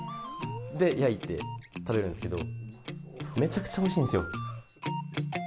で、焼いて食べるんですけど、めちゃくちゃおいしいんですよ。